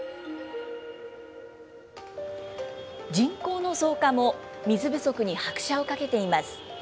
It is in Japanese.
人口の増加も、水不足に拍車をかけています。